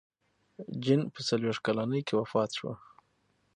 جین په څلوېښت کلنۍ کې وفات شوه.